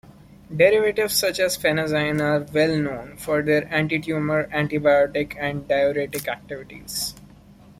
Derivatives such as phenazine are well known for their antitumor, antibiotic and diuretic activities.